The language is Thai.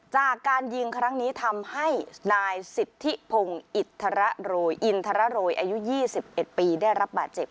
จากการยิงครั้งนี้ทำให้นายสิทธิพงศ์อิทระโรยอินทรโรยอายุ๒๑ปีได้รับบาดเจ็บ